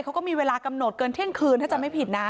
เขาก็มีเวลากำหนดเกินเที่ยงคืนถ้าจำไม่ผิดนะ